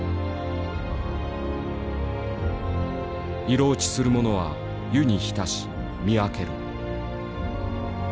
「色おちするものは湯にひたし見分ける」。